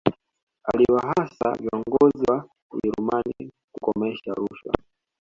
aliwahasa viongozi wa ujerumani kukomesha rushwa